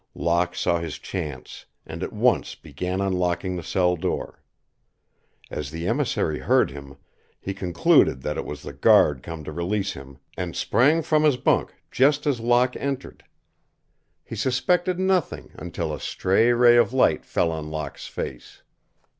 Locke saw his chance, and at once began unlocking the cell door. As the emissary heard him, he concluded that it was the guard come to release him, and sprang from his bunk just as Locke entered. He suspected nothing until a stray ray of light fell on Locke's face.